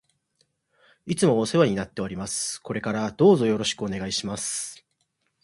いつもお世話になっております。これからどうぞよろしくお願いします。